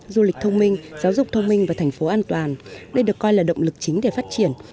du lịch thông minh giáo dục thông minh và thành phố an toàn đây được coi là động lực chính để phát triển